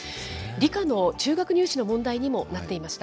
理科の中学入試の問題にもなっていました。